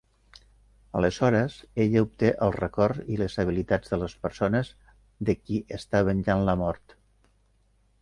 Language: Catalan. Aleshores ella obté els records i les habilitats de les persones de qui està venjant la mort.